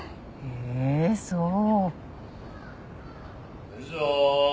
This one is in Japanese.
へえそう。